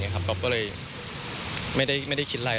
ก๊อฟก็เลยไม่ได้คิดอะไร